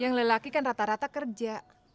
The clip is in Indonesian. yang lelaki kan rata rata kerja